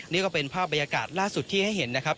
นี่ก็เป็นภาพบรรยากาศล่าสุดที่ให้เห็นนะครับ